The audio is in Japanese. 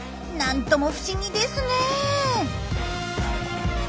なんとも不思議ですねえ。